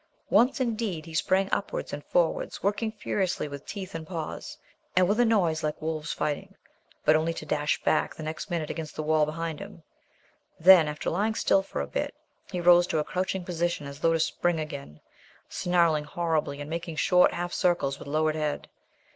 Once, indeed, he sprang upwards and forwards, working furiously with teeth and paws, and with a noise like wolves fighting, but only to dash back the next minute against the wall behind him. Then, after lying still for a bit, he rose to a crouching position as though to spring again, snarling horribly and making short half circles with lowered head.